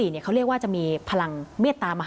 ๒๔นี่เขาเรียกว่าจะมีพลังเมียตรามหานิยม